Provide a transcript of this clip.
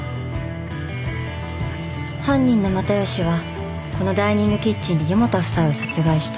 犯人の又吉はこのダイニングキッチンで四方田夫妻を殺害した。